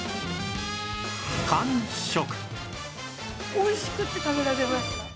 おいしくて食べられました。